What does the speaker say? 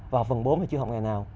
và học phần bốn thì chưa học ngày nào